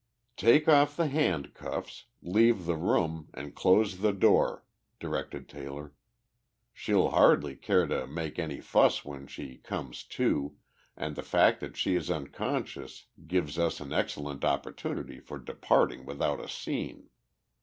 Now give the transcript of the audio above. "Take off the handcuffs, leave the room, and close the door," directed Taylor. "She'll hardly care to make any fuss when she comes to, and the fact that she is unconscious gives us an excellent opportunity for departing without a scene."